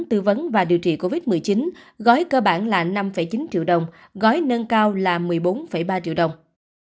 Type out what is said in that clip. tư vấn và điều trị covid một mươi chín gói cơ bản là năm chín triệu đồng gói nâng cao là một mươi bốn ba triệu đồng